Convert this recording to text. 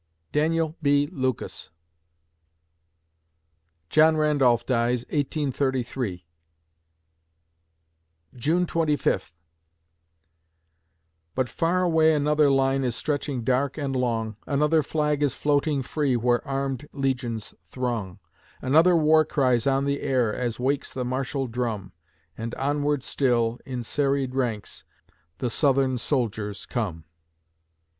DANIEL B. LUCAS John Randolph dies, 1833 June Twenty Fifth But far away another line is stretching dark and long, Another flag is floating free where armed legions throng; Another war cry's on the air, as wakes the martial drum, And onward still, in serried ranks, the Southern soldiers come.